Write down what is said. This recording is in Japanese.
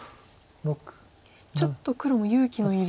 ちょっと黒も勇気のいる。